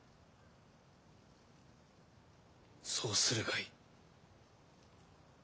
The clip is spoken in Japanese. そうするがいい。